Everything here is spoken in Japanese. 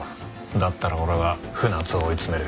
だったら俺は船津を追い詰める。